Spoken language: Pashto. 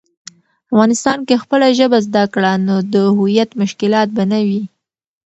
افغانسان کی خپله ژبه زده کړه، نو د هویت مشکلات به نه وي.